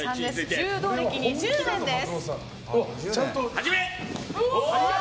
柔道歴２０年です。